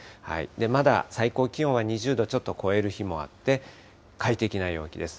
まだ最高気温は２０度ちょっと超える日もあって、快適な陽気です。